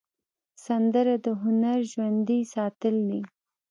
سندره د هنر ژوندي ساتل دي